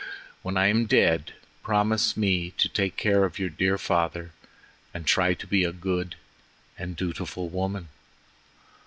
When I am dead, promise me to take care of your dear father and to try to be a good and dutiful woman."